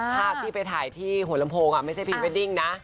ภาพที่ไปถ่ายที่หัวลำโพงไม่ใช่พรีเวดดิ้งนะ